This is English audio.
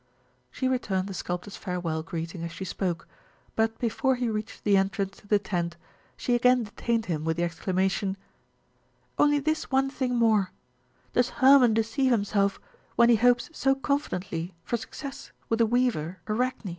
She returned the sculptor's farewell greeting as she spoke, but before he reached the entrance to the tent she again detained him with the exclamation: "Only this one thing more: Does Hermon deceive himself when he hopes so confidently for success with the weaver, Arachne?"